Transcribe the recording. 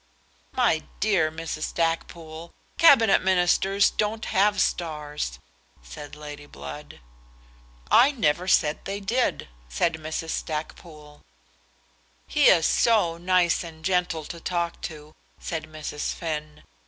"My dear Mrs. Stackpoole, Cabinet Ministers don't have stars," said Lady Blood. "I never said they did," said Mrs. Stackpoole. "He is so nice and gentle to talk to," said Mrs. Finn.